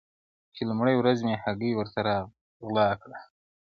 چي لومړۍ ورځ مي هگۍ ورته راغلا کړه-